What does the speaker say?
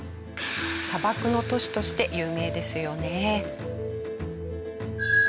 砂漠の都市として有名ですよね。